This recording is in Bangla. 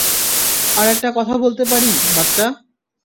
আর একটা কথা বলতে পারি, বাচ্চা।